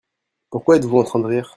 Pourquoi êtes-vous en train de rire ?